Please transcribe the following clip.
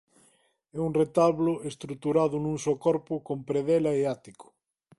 É un retablo estruturado nun só corpo con predela e ático.